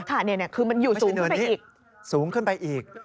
ค่ะเนี่ยคือมันอยู่สูงขึ้นไปอีก